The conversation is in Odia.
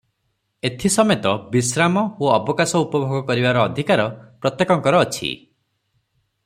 ଏଥି ସମେତ ବିଶ୍ରାମ ଓ ଅବକାଶ ଉପଭୋଗ କରିବାର ଅଧିକାର ପ୍ରତ୍ୟେକଙ୍କର ଅଛି ।